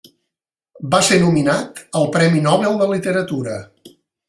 Va ser nominat al Premi Nobel de Literatura.